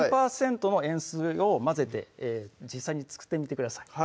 ３％の塩水を混ぜて実際に作ってみてください